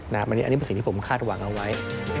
อันนี้เป็นสิ่งที่ผมคาดหวังเอาไว้